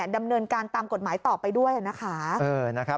ดำเนินการตามกฎหมายต่อไปด้วยนะคะ